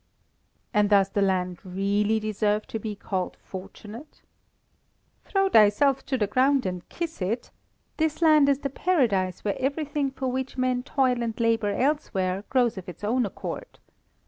"And does the land really deserve to be called fortunate?" "Throw thyself to the ground and kiss it. This land is the Paradise where everything for which men toil and labour elsewhere, grows of its own accord.